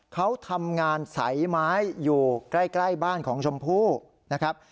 เขาทำงานใสไม้อยู่ใกล้บ้านของชมพู่นะครับ